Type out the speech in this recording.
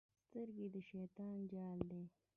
سترګې د شیطان جال دی.